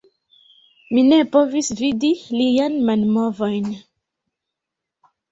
Mi ne povis vidi lian manmovojn